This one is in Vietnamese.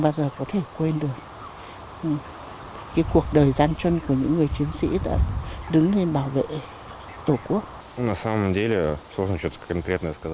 bao giờ có thể quên được cái cuộc đời gian chân của những người chiến sĩ đã đứng lên bảo vệ tổ quốc